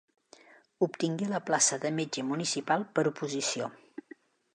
Obtingué la plaça de metge municipal, per oposició.